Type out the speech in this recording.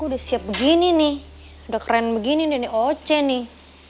udah siap begini nih udah keren begini nih oce nih